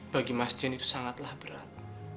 bagi masjid itu sangatlah berat